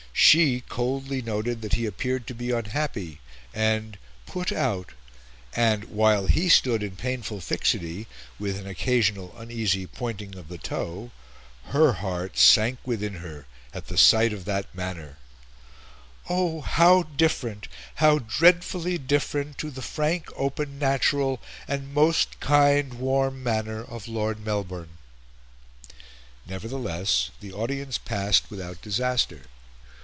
She coldly noted that he appeared to be unhappy and "put out," and, while he stood in painful fixity, with an occasional uneasy pointing of the toe, her heart sank within her at the sight of that manner, "Oh! how different, how dreadfully different, to the frank, open, natural, and most kind warm manner of Lord Melbourne." Nevertheless, the audience passed without disaster.